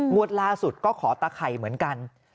ล่าสุดก็ขอตะไข่เหมือนกัน